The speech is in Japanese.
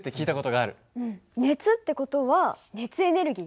熱って事は熱エネルギー？